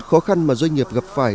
khó khăn mà doanh nghiệp gặp phải